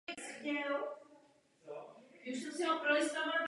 Strom není pro vysokohorský výskyt a poměrně nízké stavy populace nijak využíván.